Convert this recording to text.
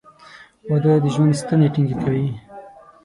• واده د ژوند ستنې ټینګې کوي.